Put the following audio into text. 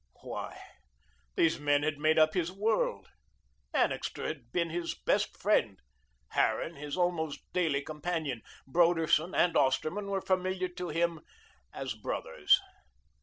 Why, these men had made up his world. Annixter had been his best friend, Harran, his almost daily companion; Broderson and Osterman were familiar to him as brothers.